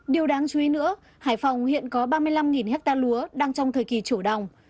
điều đáng chú ý nữa hải phòng hiện có ba mươi năm hectare lúa đang trong thời kỳ chủ đồng